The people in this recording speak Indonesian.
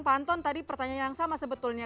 pak anton tadi pertanyaan yang sama sebetulnya